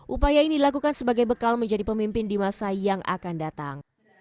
upaya ini dilakukan sebagai bekal menjadi pemimpin di masa yang akan datang